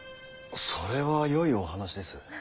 それはよいお話です。